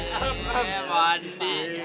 berhenti yan banget